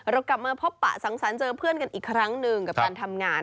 เรากลับมาพบปะสังสรรค์เจอเพื่อนกันอีกครั้งหนึ่งกับการทำงาน